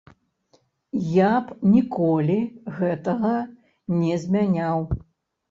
Я б ніколі гэтага не змяняў.